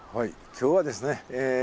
今日はですね